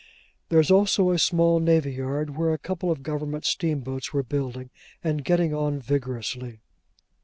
There is also a small navy yard, where a couple of Government steamboats were building, and getting on vigorously.